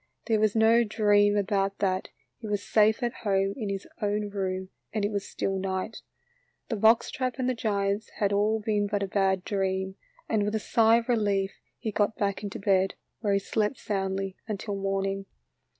There was no dream about that, he was safe at home in his own room and it was still night. The box trap and the giants had all been a bad dream, and with a sigh of relief he got back into bed, where he slept soundly until morning.